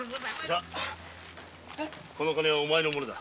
サこの金はお前のものだ。